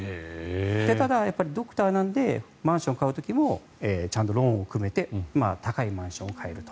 ただ、ドクターなのでマンションを買う時もちゃんとローンを組めて高いマンションを買えると。